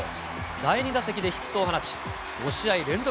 第２打席でヒットを放ち、５試合連続